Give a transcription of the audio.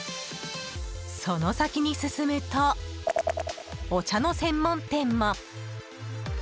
その先に進むと、お茶の専門店も。